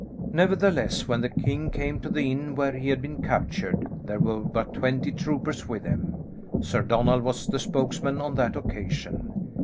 Nevertheless, when the king came to the inn where he had been captured, there were but twenty troopers with him. Sir Donald was the spokesman on that occasion.